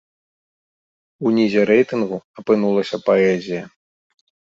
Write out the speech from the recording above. У нізе рэйтынгу апынулася паэзія.